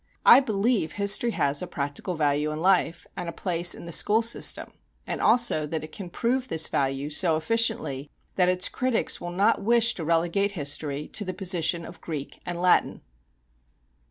I believe history has a practical value in life, and a place in the school system; and also that it can prove this value so efficiently that its critics will not wish to relegate history to the position of Greek and Latin.